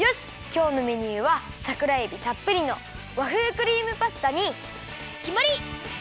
きょうのメニューはさくらえびたっぷりの和風クリームパスタにきまり！